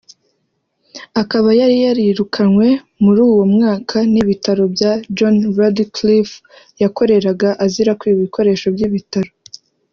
Akaba yari yarirukanywe muri uwo mwaka n’ibitaro bya John Radcliffe yakoreraga azira kwiba ibikoresho by’ibitaro